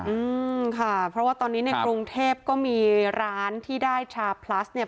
อืมค่ะเพราะว่าตอนนี้ในกรุงเทพก็มีร้านที่ได้ชาพลัสเนี่ย